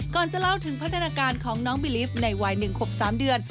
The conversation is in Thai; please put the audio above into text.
จะเล่าถึงพัฒนาการของน้องบิลิฟต์ในวัย๑ขวบ๓เดือน